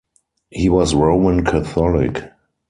He was Roman Catholic.